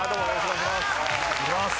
お願いします。